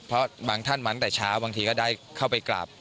เพราะบางท่านมาตั้งแต่เช้าบางทีก็ได้เข้าไปกราบ